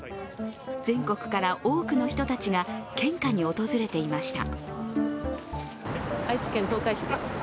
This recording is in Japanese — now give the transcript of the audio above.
全国から多くの人たちが献花に訪れていました。